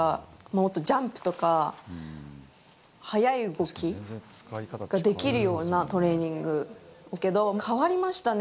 もっとジャンプとか、速い動きができるようなトレーニングだけど、変わりましたね。